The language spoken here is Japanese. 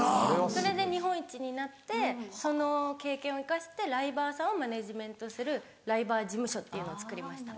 それで日本一になってその経験を生かしてライバーさんをマネジメントするライバー事務所っていうのをつくりました。